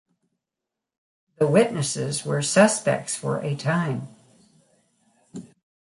The witnesses were suspects for a time.